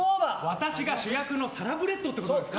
私が主役のサラブレッドってことですか。